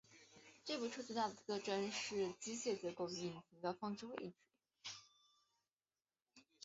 这部车最大的特征就是机械结构与引擎的置放位子。